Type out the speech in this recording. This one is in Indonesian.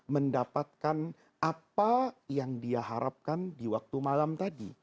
mendapatkan apa yang diharapkan di waktu malam tadi